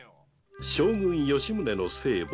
将軍・吉宗の生母